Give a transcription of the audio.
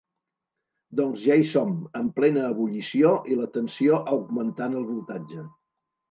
Doncs ja hi som, en plena ebullició i la tensió augmentant el voltatge.